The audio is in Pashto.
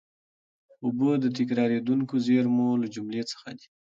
اوبه د تکرارېدونکو زېرمونو له جملې څخه دي.